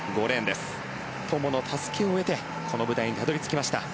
友の助けを得てこの舞台にたどり着きました。